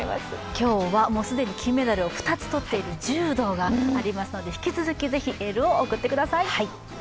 今日はもう既に金メダルを２つとっている柔道がありますので引き続き是非、エールを送ってください。